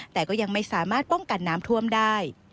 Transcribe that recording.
แต่ก็ยังไม่สามารถป้องกันน้ำท่วมได้